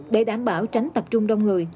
để đảm bảo tránh tập trung đông người